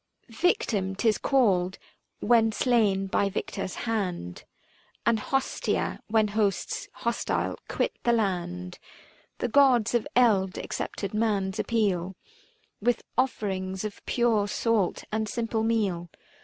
360 Victim 'tis called when slain by Victor's hand, And Hostia, when hosts hostile quit the land. The Gods of eld accepted man's appeal With offerings of pure salt and simple meal.